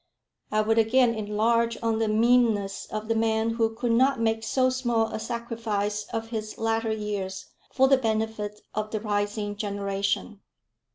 I would again enlarge on the meanness of the man who could not make so small a sacrifice of his latter years for the benefit of the rising generation.